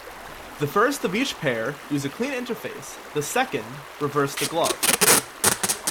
The first of each pair use a clean interface, the second reverse the glove.